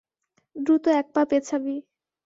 দ্রুত এক পা পেছাবি।